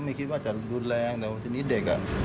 ไม่คิดว่าจะรุนแรงแต่ว่าทีนี้เด็กอ่ะ